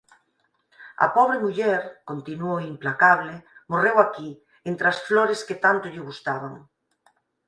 A pobre muller _continuou implacable_ morreu aquí, entre as flores que tanto lle gustaban.